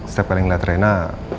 setiap kali ngeliat reina